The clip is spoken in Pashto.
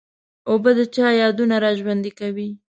اوبه د چا یادونه را ژوندي کوي.